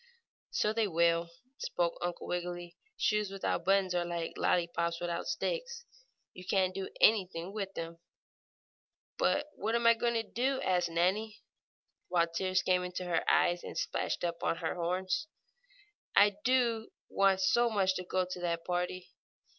"So they will," spoke Uncle Wiggily. "Shoes without buttons are like lollypops without sticks, you can't do anything with them." "But what am I going to do?" asked Nannie, while tears came into her eyes and splashed up on her horns. "I do want so much to go to that party."